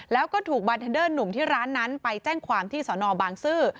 แล้วก็ถูกบาร์เทนเดอร์หนุ่มที่ร้านนั้นไปแจ้งความที่สอนอบางซื่อ